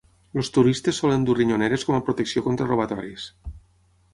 Els turistes solen dur ronyoneres com a protecció contra robatoris.